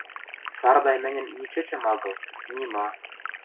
Сардай мӹньӹн ни чӹчӹм агыл, ни ма...